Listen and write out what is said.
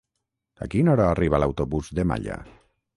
A quina hora arriba l'autobús de Malla?